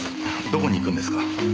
どこに行くんですか？